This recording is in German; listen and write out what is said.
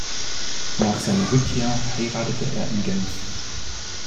Nach seiner Rückkehr heiratete er in Genf.